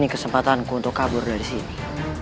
ini kesempatanku untuk kabur dari sini